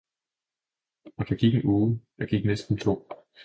Og der gik en uge, der gik næsten to.